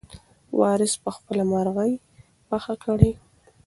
وارث به خپله مرغۍ پخه کړي.